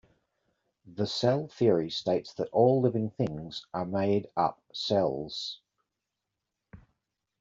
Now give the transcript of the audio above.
The cell theory states that all living things are made up cells.